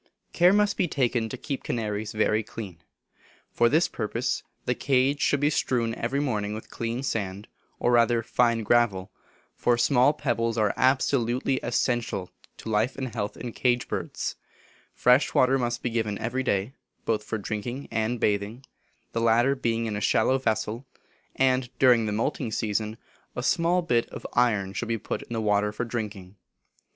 Care must be taken to keep canaries very clean. For this purpose, the cage should be strewed every morning with clean sand, or rather, fine gravel, for small pebbles are absolutely essential to life and health in cage birds: fresh water must be given every day, both for drinking and bathing; the latter being in a shallow vessel; and, during the moulting season, a small bit of iron should be put into the water for drinking.